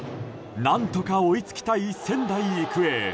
何とか追いつきたい仙台育英。